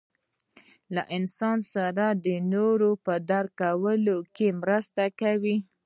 له انسان سره د نورو په درک کولو کې مرسته کوي.